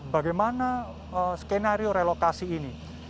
bagaimana skenario relokasi ini